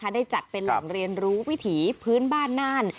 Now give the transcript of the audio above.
ได้จัดเป็นแหล่งเรียนรู้วิถีพื้นบ้านน่าน